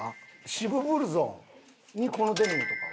渋ブルゾンにこのデニムとかは？